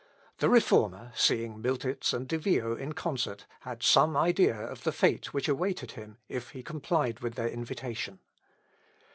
The Reformer, seeing Miltitz and De Vio in concert, had some idea of the fate which awaited him if he complied with their invitation.